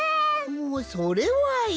おうそれはいい。